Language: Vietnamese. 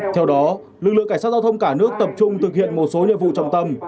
theo đó lực lượng cảnh sát giao thông cả nước tập trung thực hiện một số nhiệm vụ trọng tâm